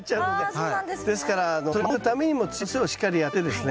それから守るためにも土寄せをしっかりやってですね